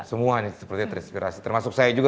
semua ini seperti terinspirasi termasuk saya juga